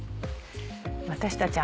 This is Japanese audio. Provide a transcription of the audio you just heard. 私たち